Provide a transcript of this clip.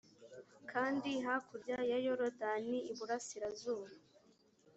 kandi hakurya ya yorodani iburasirazuba